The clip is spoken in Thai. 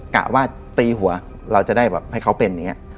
กะว่าตีหัวเราจะได้แบบให้เขาเป็นอย่างนี้